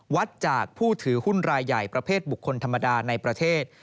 วัดจากผู้ถือหุ้นรายใหญ่ประเภทบุคคลธรรมดาในประเทศ